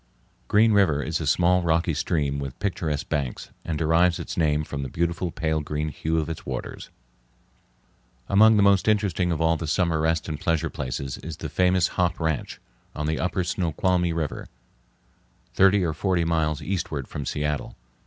Green River is a small rocky stream with picturesque banks, and derives its name from the beautiful pale green hue of its waters. Among the most interesting of all the summer rest and pleasure places is the famous "Hop Ranch" on the upper Snoqualmie River, thirty or forty miles eastward from Seattle.